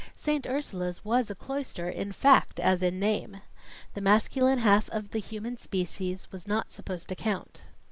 Saint Ursula's was a cloister, in fact, as in name. The masculine half of the human species was not supposed to count.